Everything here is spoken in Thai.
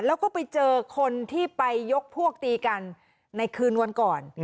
แล้วก็ไปเจอคนที่ไปยกพวกตีกันในคืนวันก่อน